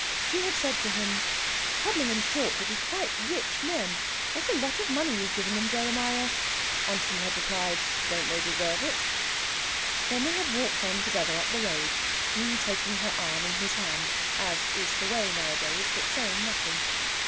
She had said to him: "Codling and Short will be quite rich men! What a lot of money you've given them, Jeremiah!" And he had replied: "Don't they deserve it?" They had then walked on together up the road, he taking her arm in his hand, as is the way nowadays, but saying nothing.